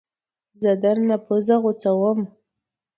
زه درنه پوزه غوڅوم